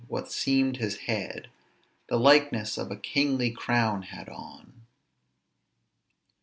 What seemed his head The likeness of a kingly crown had on."